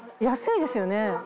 安いですよね。